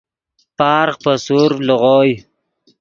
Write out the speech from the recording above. پارغ پے سورڤ لیغوئے